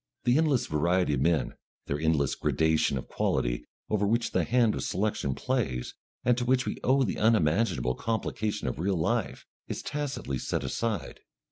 The endless variety of men, their endless gradation of quality, over which the hand of selection plays, and to which we owe the unmanageable complication of real life, is tacitly set aside.